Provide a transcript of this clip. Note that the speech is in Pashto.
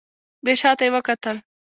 دی شا ته يې وکتل.